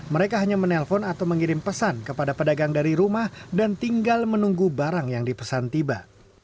mereka hanya menelpon atau mengirim pesan kepada pedagang dari rumah dan tinggal menunggu barang yang dipesan tiba